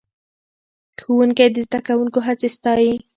ښوونکی د زده کوونکو هڅې ستایي